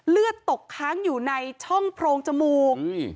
เลือดตกค้างอยู่ในช่องโพรงจมูก